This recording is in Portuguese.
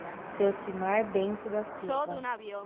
Ceucimar Bento da Silva